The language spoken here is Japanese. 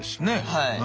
はい。